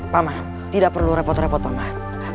paman tidak perlu repot repot paman